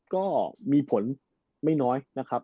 ก็มีผลไม่น้อยนะครับ